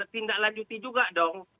tindaklanjuti juga dong